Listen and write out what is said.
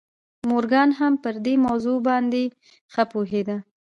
مورګان هم پر دې موضوع باندې ښه پوهېده